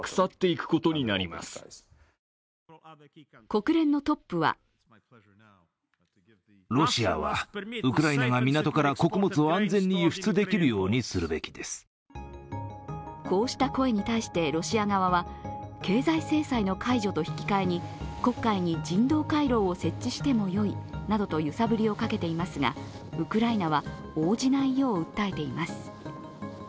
国連のトップはこうした声に対してロシア側は、経済制裁の解除と引き換えに黒海に人道回廊を設置してもよいなどと揺さぶりをかけていますがウクライナは応じないよう訴えています。